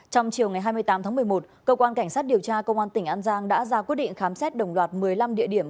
trong chiều ngày hai mươi tám tháng một mươi một công an tỉnh an giang đã ra quyết định khám xét đồng loạt một mươi năm địa điểm